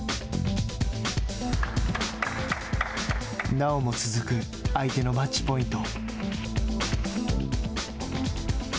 なおも続く相手のマッチポイント。